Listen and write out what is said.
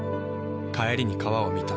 帰りに川を見た。